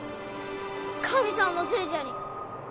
神さんのせいじゃに。